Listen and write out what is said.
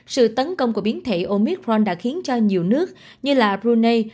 sự tấn công của biến thể omicron đã khiến cho nhiều nước như là brunei